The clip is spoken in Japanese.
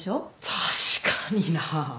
確かにな。